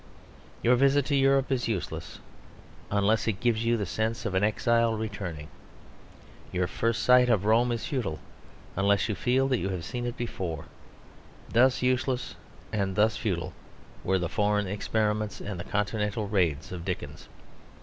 Your visit to Europe is useless unless it gives you the sense of an exile returning. Your first sight of Rome is futile unless you feel that you have seen it before. Thus useless and thus futile were the foreign experiments and the continental raids of Dickens.